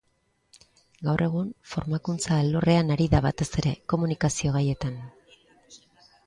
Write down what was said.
Gaur egun formakuntza alorrean ari da batez ere komunikazioa gaietan.